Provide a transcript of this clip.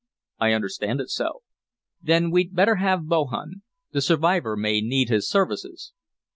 "I understand it so." "Then we'd better have Bohun. The survivor may need his services."